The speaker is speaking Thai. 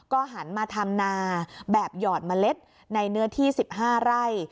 หันมาทำนาแบบหยอดเมล็ดในเนื้อที่๑๕ไร่